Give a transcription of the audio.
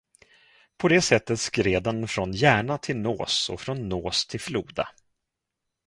På det sättet skred den från Järna till Nås och från Nås till Floda.